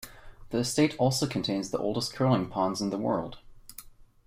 The estate also contains the oldest curling ponds in the world.